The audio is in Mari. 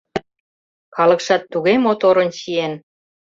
Калыкшат туге моторын чиен.